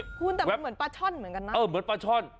คุณแต่มันเหมือนปลาช่อนเหมือนกันนะเออเหมือนปลาช่อน